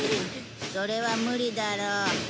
それは無理だろう。